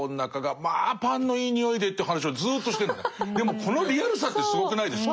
でもこのリアルさってすごくないですか。